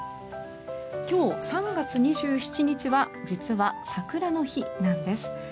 今日３月２７日は実は、さくらの日なんです。